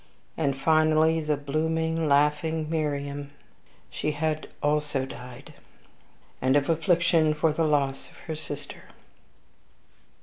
And, finally, the blooming, laughing Mariamne, she also had died and of affliction for the loss of her sister.